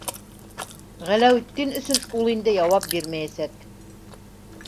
Ғәләүетдин өсөн ул инде яуап бирмәйәсәк.